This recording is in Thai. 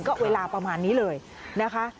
ก็เวลาประมาณนี้เลยนะคะ